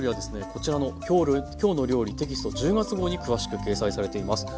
こちらの「きょうの料理」テキスト１０月号に詳しく掲載されています。